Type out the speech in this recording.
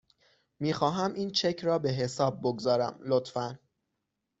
میخواهم این چک را به حساب بگذارم، لطفاً.